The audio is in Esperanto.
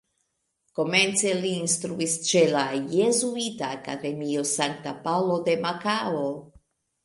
Komence li instruis ĉe la Jezuita Akademio Sankta Paŭlo en Makao.